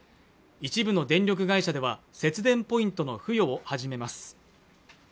一部の電力会社では節電ポイントの付与を始めます